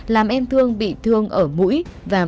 làm em thương bị thương ở mũi và vùng thân